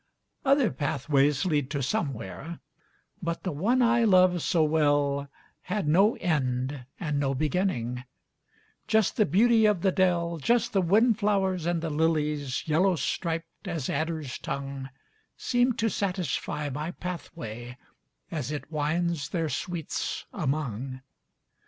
Other pathways lead to Somewhere, But the one I love so wellHad no end and no beginning—Just the beauty of the dell, Just the windflowers and the liliesYellow striped as adder's tongue, Seem to satisfy my pathwayAs it winds their sweets among.